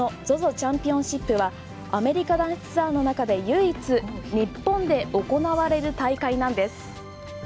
チャンピオンシップはアメリカ男子ツアーの中で唯一日本で行われる大会なんです。